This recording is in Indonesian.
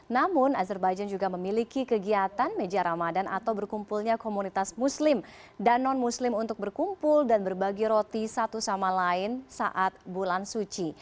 namun azerbaijan juga memiliki kegiatan meja ramadan atau berkumpulnya komunitas muslim dan non muslim untuk berkumpul dan berbagi roti satu sama lain saat bulan suci